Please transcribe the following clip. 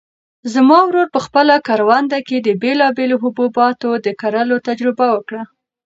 زما ورور په خپله کرونده کې د بېلابېلو حبوباتو د کرلو تجربه وکړه.